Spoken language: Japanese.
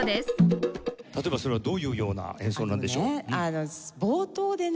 例えばそれはどういうような演奏なんでしょう？